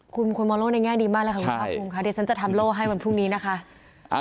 คุณคนมองโลกในแง่ดีมากเลยค่ะคุณภาคภูมิค่ะเดี๋ยวฉันจะทำโล่ให้วันพรุ่งนี้นะคะ